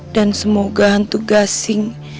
dan semoga hantu gasi